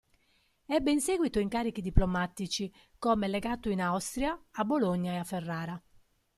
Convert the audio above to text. Ebbe in seguito incarichi diplomatici, come legato in Austria, a Bologna e a Ferrara.